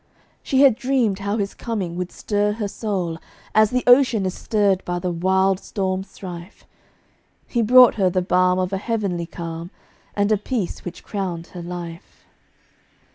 She had dreamed how his coming would stir her soul, As the ocean is stirred by the wild storm's strife: He brought her the balm of a heavenly calm, And a peace which crowned her life.